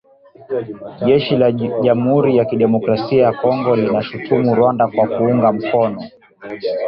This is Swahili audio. Jeshi la jamhuri ya kidemokrasia ya Kongo linaishutumu Rwanda kwa kuunga mkono